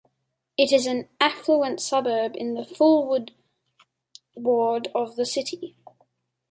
It is an affluent suburb in the Fulwood ward of the city.